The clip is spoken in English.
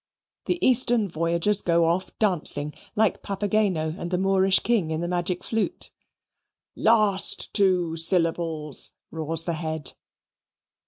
The Eastern voyagers go off dancing, like Papageno and the Moorish King in The Magic Flute. "Last two syllables," roars the head.